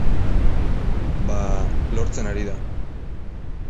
Ba, lortzen ari da.